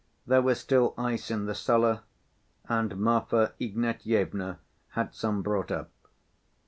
There was still ice in the cellar, and Marfa Ignatyevna had some brought up.